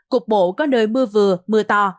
cục bộ có nơi mưa vừa mưa to